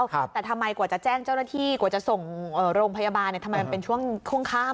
แต่ทำไมกว่าจะแจ้งเจ้าหน้าที่กว่าจะส่งโรงพยาบาลทำไมมันเป็นช่วงข้าม